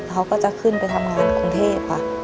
เขาก็จะขึ้นไปทำงานกรุงเทพค่ะ